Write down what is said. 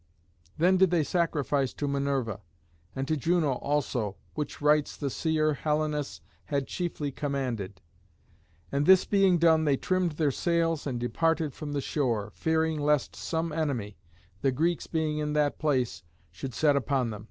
Then did they sacrifice to Minerva, and to Juno also, which rites the seer Helenus had chiefly commanded. And this being done they trimmed their sails and departed from the shore, fearing lest some enemy, the Greeks being in that place, should set upon them.